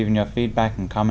những lời nhắn nhủ của quý vị